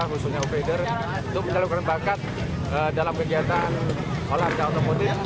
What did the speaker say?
khususnya offroader untuk menjalankan bakat dalam kegiatan olahraga otomotif